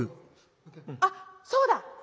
あっそうだ！